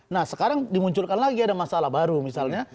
nah sekarang dimunculkan lagi ada masalah baru misalnya